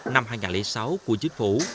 năm hai nghìn sáu của chính phủ